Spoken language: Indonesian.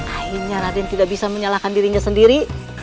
akhirnya raden tidak bisa menyalahkan dirinya sendiri